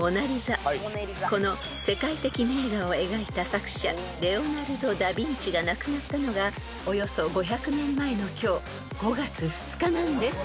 ［この世界的名画を描いた作者レオナルド・ダ・ヴィンチが亡くなったのがおよそ５００年前の今日５月２日なんです］